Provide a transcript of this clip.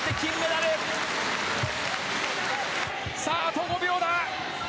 あと５秒だ。